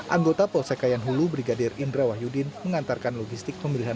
anggota polsek kayan hulu brigadir indra wahyudin mengantarkan logistik pemilihan